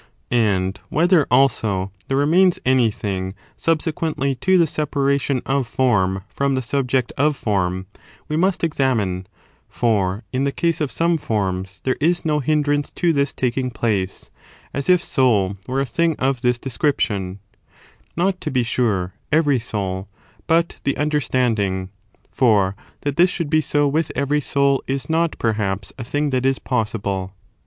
And whether, also, there remains anything 5 ^^^ separa^ subsequently to the separation of form from the hiiity of form subject of form, we must examine ; for in the case in^JSme cases is of some forms there is no hindrance to this favSS^S^fte^ taking place ; as if soul were a thing' of this de ideal hypothe. scription : not, to be sure, every soul, but the un ^* derstanding ; for that this should be so with every soul is not, perhaps, a thing that is possible.